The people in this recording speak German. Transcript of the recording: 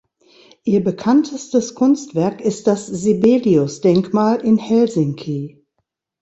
Ihr bekanntestes Kunstwerk ist das Sibelius-Denkmal in Helsinki.